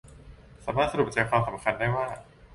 สามารถสรุปใจความสำคัญได้ว่า